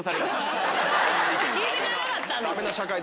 聞いてくれなかったんだもん。